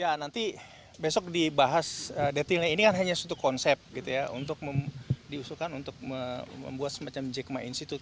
ya nanti besok dibahas detailnya ini kan hanya satu konsep gitu ya untuk diusulkan untuk membuat semacam jack ma institute